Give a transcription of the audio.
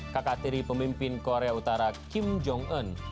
kakak tiri pemimpin korea utara kim jong un